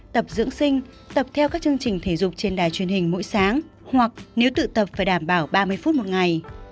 tập dưỡng sinh tập theo các chương trình thể dục trên đài truyền hình mỗi sáng hoặc nếu tụ tập phải đảm bảo ba mươi phút một ngày